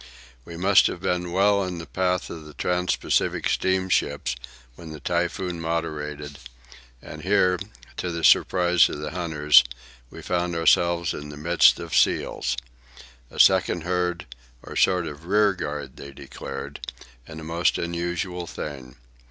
We must have been well in the path of the trans Pacific steamships when the typhoon moderated, and here, to the surprise of the hunters, we found ourselves in the midst of seals—a second herd, or sort of rear guard, they declared, and a most unusual thing.